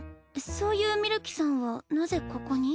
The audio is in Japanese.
そういうみるきさんはなぜここに？